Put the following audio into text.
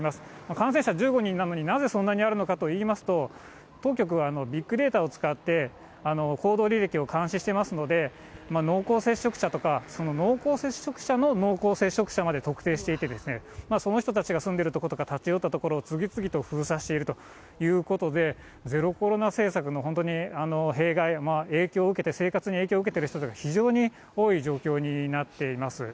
感染者１５人なのに、なぜそんなにあるのかといいますと、当局はビッグデータを使って、行動履歴を監視していますので、濃厚接触者とか、濃厚接触者の濃厚接触者まで特定していて、その人たちが住んでいる所とか、立ち寄った所を次々と封鎖しているということで、ゼロコロナ政策の本当に弊害、影響を受けて、生活に影響を受けている人が非常に多い状況になっています。